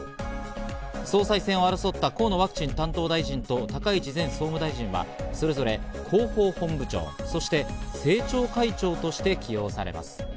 総裁選を争った河野ワクチン担当大臣と高市前総務大臣は、それぞれ広報本部長、そして政調会長として起用されます。